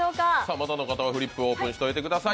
まだの方はフリップオープンしておいてください。